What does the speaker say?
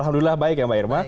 alhamdulillah baik ya mbak irma